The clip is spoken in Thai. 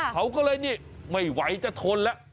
เขาก็เลยนี่ไม่ไหวจะทนแล้ว